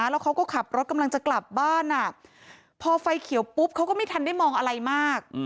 แล้วเขาก็ขับรถกำลังจะกลับบ้านพอไฟเขียวปุ๊บเขาก็ไม่ทันได้มองอะไรมาก